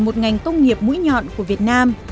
một ngành công nghiệp mũi nhọn của việt nam